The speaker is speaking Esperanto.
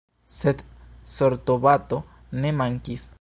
Sed sortobato ne mankis.